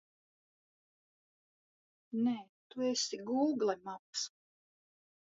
Nē, tu esi Gūgle maps!